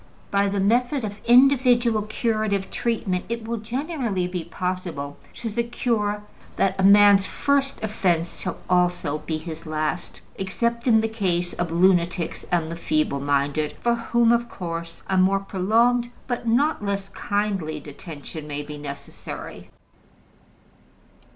By the method of individual curative treatment it will generally be possible to secure that a man's first offense shall also be his last, except in the case of lunatics and the feeble minded, for whom of course a more prolonged but not less kindly detention may be necessary.